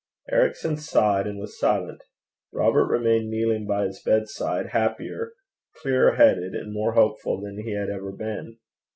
Ericson sighed and was silent. Robert remained kneeling by his bedside, happier, clearer headed, and more hopeful than he had ever been.